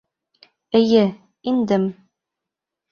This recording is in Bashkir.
Эйе, индем.